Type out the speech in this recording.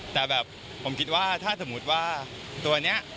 แต่แบบผมคิดว่าถ้าสมมุติว่าตัวนี้